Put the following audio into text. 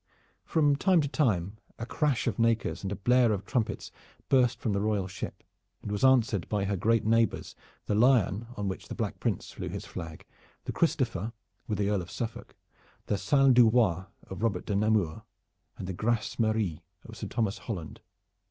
From time to time a crash of nakers and blare of trumpets burst from the royal ship, and was answered by her great neighbors, the Lion on which the Black Prince flew his flag, the Christopher with the Earl of Suffolk, the Salle du Roi of Robert of Namur, and the Grace Marie of Sir Thomas Holland.